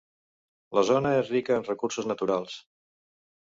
La zona és rica en recursos naturals.